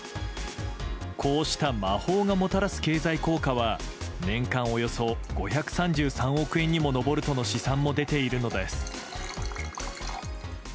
こうした魔法がもたらす経済効果は年間およそ５３３億円にも上るとの試算も出ているのです。